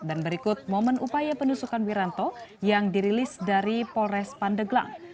dan berikut momen upaya penusukan wiranto yang dirilis dari polres pandeglang